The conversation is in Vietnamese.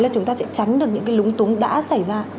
là chúng ta sẽ tránh được những cái lúng túng đã xảy ra